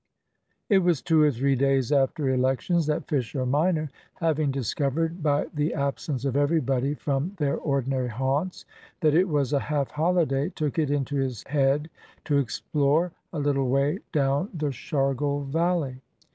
It was two or three days after Elections that Fisher minor, having discovered by the absence of everybody from their ordinary haunts that it was a half holiday, took it into his head to explore a little way down the Shargle Valley.